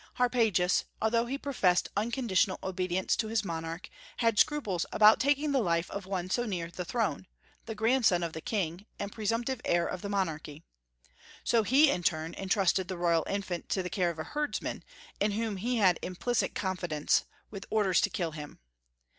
Harpagus, although he professed unconditional obedience to his monarch, had scruples about taking the life of one so near the throne, the grandson of the king and presumptive heir of the monarchy. So he, in turn, intrusted the royal infant to the care of a herdsman, in whom he had implicit confidence, with orders to kill him.